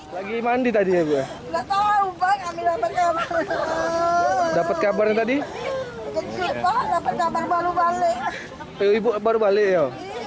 mak yang jualan itu tenang jualan yang masih belum tahu mak angkatnya